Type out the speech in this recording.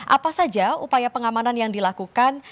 apa saja upaya pengamanan yang dilakukan